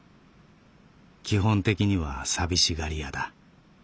基本的には寂しがり屋だ」。